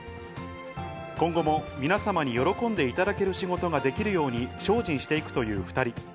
今後も皆様に喜んでいただける仕事ができるように精進していくという２人。